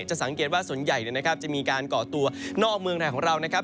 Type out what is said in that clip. จะสังเกตว่าส่วนใหญ่จะมีการก่อตัวนอกเมืองแหล่งของเรา